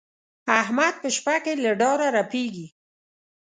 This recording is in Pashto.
احمد په شپه کې له ډاره رپېږي.